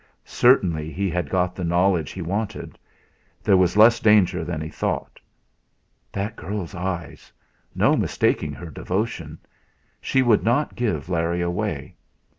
Certainly, he had got the knowledge he wanted. There was less danger than he thought. That girl's eyes! No mistaking her devotion. She would not give Larry away.